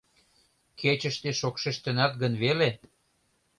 Кечыште шокшештынат гын веле?